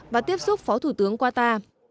và tiếp xúc phó thủ tướng qua ta